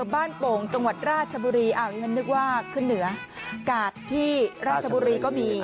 โป่งจังหวัดราชบุรีอ้าวฉันนึกว่าขึ้นเหนือกาดที่ราชบุรีก็มี